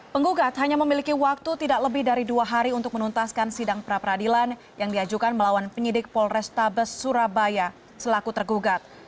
penggugat hanya memiliki waktu tidak lebih dari dua hari untuk menuntaskan sidang pra peradilan yang diajukan melawan penyidik polrestabes surabaya selaku tergugat